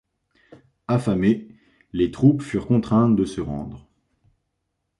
Affamées, les troupes furent contraintes de se rendre.